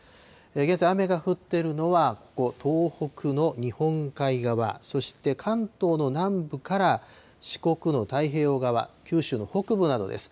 現在、雨が降ってるのは、ここ、東北の日本海側、そして関東の南部から四国の太平洋側、九州の北部などです。